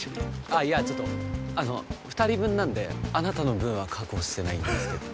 あいやちょっとあの２人分なんであなたの分は確保してないんですけど。